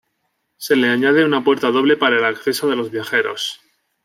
Se le añade una puerta doble para el acceso de los viajeros.